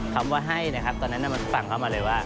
คำว่าให้นะครับตอนนั้นมันฟังเขามาเลยว่า